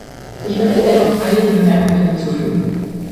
Ich möchte dennoch einige Bemerkungen hinzufügen.